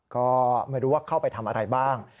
ก็ไม่รู้ว่าเข้าไปทำอะไรบ้าง